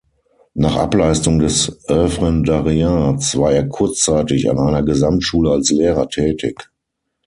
Nach Ableistung des Referendariats war er kurzzeitig an einer Gesamtschule als Lehrer tätig.